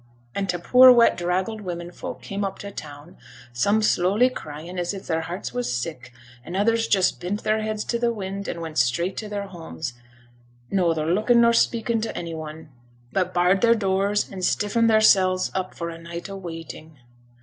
An' t' poor wet draggled women folk came up t' town, some slowly cryin', as if their hearts was sick, an' others just bent their heads to t' wind, and went straight to their homes, nother looking nor speaking to ony one; but barred their doors, and stiffened theirsels up for a night o' waiting.